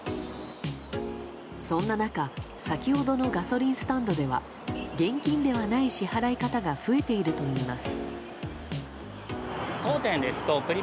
そんな中先ほどのガソリンスタンドでは現金ではない支払い方が増えているといいます。